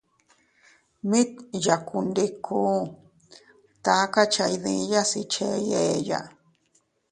Mit yakundiku, takacha iydiyas ichey eeya.